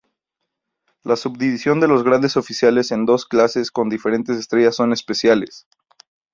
La subdivisión de los grandes oficiales en dos clases con diferentes estrellas son especiales.